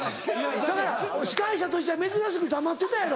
だから司会者としては珍しく黙ってたやろ。